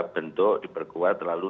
bentuk diperkuat lalu